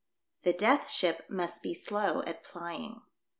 THE DEATH SHIP MUST BE SLOW AT PLYING.